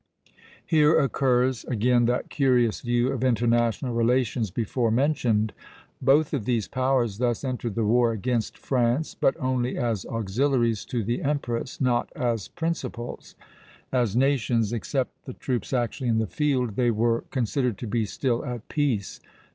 Here occurs again that curious view of international relations before mentioned. Both of these powers thus entered the war against France, but only as auxiliaries to the empress, not as principals; as nations, except the troops actually in the field, they were considered to be still at peace.